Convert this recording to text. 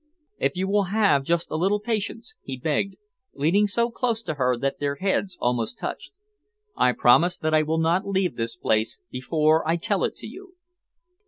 "If you will have just a little patience!" he begged, leaning so close to her that their heads almost touched, "I promise that I will not leave this place before I tell it to you."